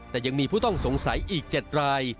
แต่ยังมีผู้ต้องสงสัยอีก๗ราย